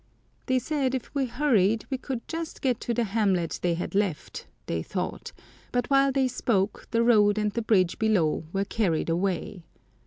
They said if we hurried we could just get to the hamlet they had left, they thought; but while they spoke the road and the bridge below were carried away.